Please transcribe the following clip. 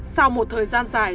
sau một thời gian dài